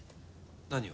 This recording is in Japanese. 何を？